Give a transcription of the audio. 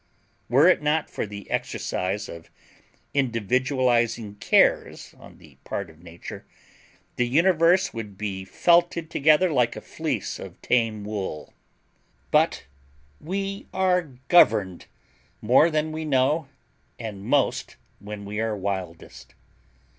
Were it not for the exercise of individualizing cares on the part of Nature, the universe would be felted together like a fleece of tame wool. But we are governed more than we know, and most when we are wildest.